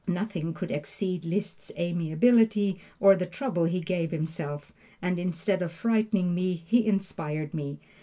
Nothing could exceed Liszt's amiability, or the trouble he gave himself, and instead of frightening me, he inspired me.